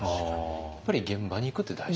やっぱり現場に行くって大事？